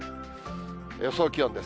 予想気温です。